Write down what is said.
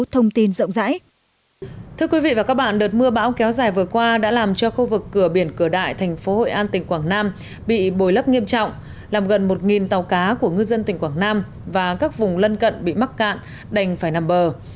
thưa quý vị và các bạn đợt mưa bão kéo dài vừa qua đã làm cho khu vực cửa biển cửa đại thành phố hội an tỉnh quảng nam bị bồi lấp nghiêm trọng làm gần một tàu cá của ngư dân tỉnh quảng nam và các vùng lân cận bị mắc cạn đành phải nằm bờ